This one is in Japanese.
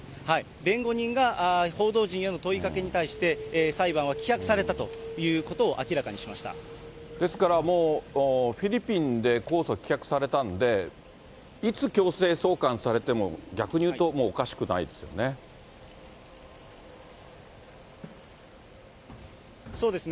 弁護人が、報道陣への問いかけに対して、裁判は棄却されたというですからもう、フィリピンで公訴棄却されたんで、いつ強制送還されても、逆にいうと、もうおかしくないですよね。